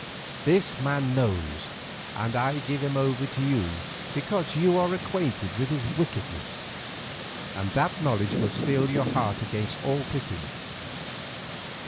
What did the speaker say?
This man knows and I give him over to you because you are acquainted with his wickedness, and that knowledge will steel your heart against all pity.